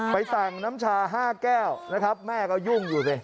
ไปสั่งน้ำชา๕แก้วนะครับแม่ก็ยุ่งอยู่สิ